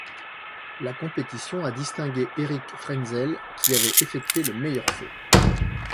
La compétition a distingué Eric Frenzel, qui avait effectué le meilleur saut.